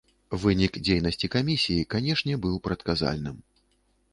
Вынік дзейнасці камісіі, канешне, быў прадказальным.